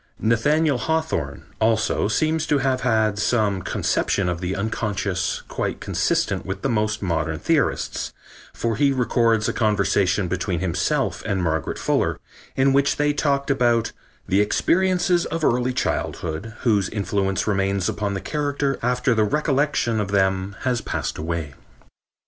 Nathaniel Hawthorne, also, seems to have had some conception of the unconscious quite consistent with the most modern theorists, for he records a conversation between himself and Margaret Fuller in which they talked about "the experiences of early childhood, whose influence remains upon the character after the recollection of them has passed away."